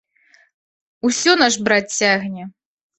Усё наш брат цягне.